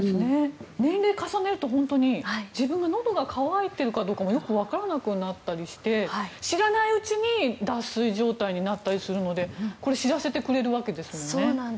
年齢重ねると本当に自分がのどが渇いているかどうかもよくわからなくなったりして知らないうちに脱水状態になったりするのでこれ知らせてくれるわけですもんね。